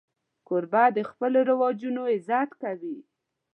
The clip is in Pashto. کوربه د خپلو رواجونو عزت کوي.